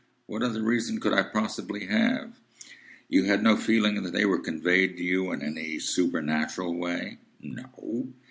"What other reason could I possibly have?" "You had no feeling that they were conveyed to you in any supernatural way?" "No."